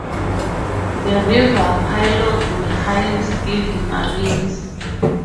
The river pilots were highly skilled mariners.